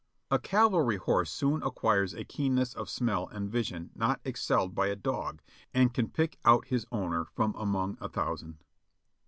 A cavalry horse soon acquires a keenness of smell and vision not excelled by a dog, and can pick out his owner from among a thousand.